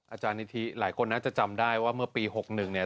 อาจารย์นิธิหลายคนน่าจะจำได้ว่าเมื่อปี๖๑เนี่ย